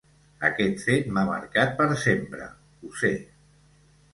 Aquest fet m’ha marcat per sempre, ho sé.